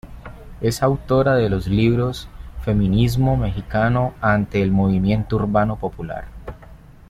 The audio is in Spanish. Es autora de los libros "Feminismo mexicano ante el movimiento urbano popular.